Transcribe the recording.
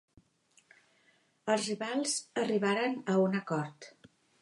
Els rivals arribaren a un acord.